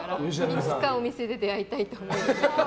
いつかお店で出会いたいと思って。